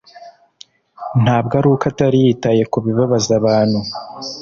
Ntabwo ari uko atari yitaye ku bibabaza abantu,